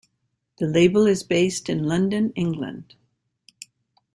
The label is based in London, England.